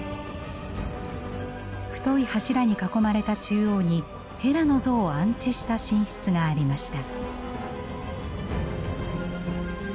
太い柱に囲まれた中央にヘラの像を安置した神室がありました。